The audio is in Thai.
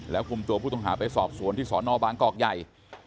คุมตัวผู้ต้องหาไปสอบสวนที่สอนอบางกอกใหญ่